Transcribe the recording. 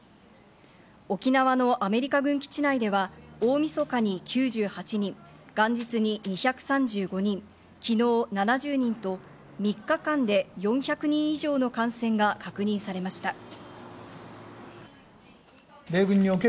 沖縄のアメリカ軍基地内では大みそかに９８人、元日に２３５人、昨日７０人と３日間で４００人以上の感染が確認されました。